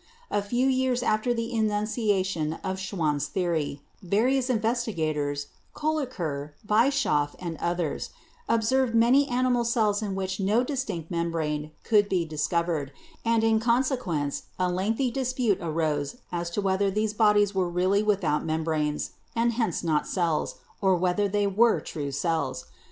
A few years after the enunciation of Schwann's theory, various investigators, Kolliker, Bi schoff and others, observed many animal cells in which no distinct membrane could be discovered, and in conse quence a lengthy dispute arose as to whether these bodies were really without membranes, and hence not cells, or whether they were true cells.